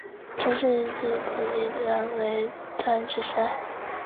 丹尼斯海峡是连结波罗的海和北海之间的诸海峡之总称。